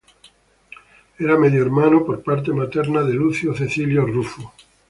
Era medio hermano por parte materna de Lucio Cecilio Rufo.